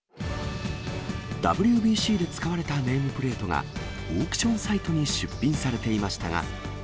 ＷＢＣで使われたネームプレートが、オークションサイトに出品されていましたが。